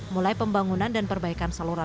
mulai pembangunan dan perbaikan saluran